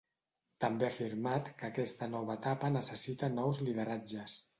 També ha afirmat que aquesta nova etapa necessita nous lideratges.